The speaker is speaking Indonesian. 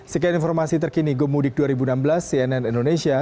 sekian informasi terkini gomudik dua ribu enam belas cnn indonesia